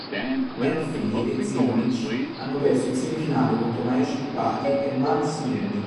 MacPhie e Zimonjić hanno perso in semifinale contro Mahesh Bhupathi e Maks Mirny.